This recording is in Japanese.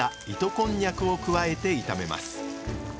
こんにゃくを加えて炒めます。